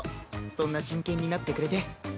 そんな真剣になってくれて。